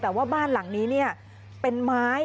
แต่ว่าบ้านหลังนี้เป็นไม้